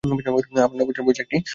আমার ন বছর বয়েসী একটি মেয়ে আছে।